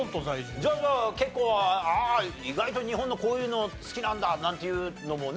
じゃあ結構「ああ意外と日本のこういうの好きなんだ」なんていうのもね。